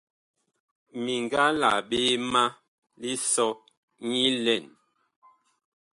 Mi nga la ɓe ma lisɔ nyilɛn.